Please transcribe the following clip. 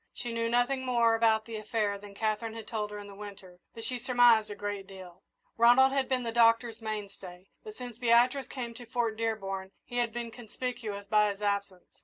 She knew nothing more about the affair than Katherine had told her in the winter, but she surmised a great deal. Ronald had been the Doctor's mainstay, but since Beatrice came to Fort Dearborn he had been conspicuous by his absence.